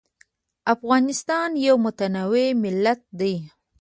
افغانستان یو متنوع ملت دی.